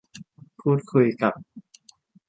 พูดคุยกับ